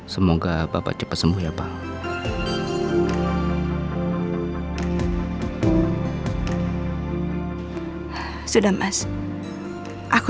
semoga bapak cepat sembuh ya pak